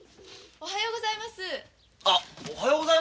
おはようございます。